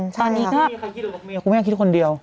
แต่ว่าตอนนี้ไม่มีใครคิดด้วยคุณแม่คิดคนเดียว